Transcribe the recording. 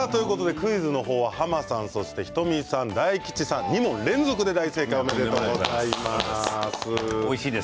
クイズは濱さん、仁美さん、大吉さん２問連続で大正解おめでとうございます。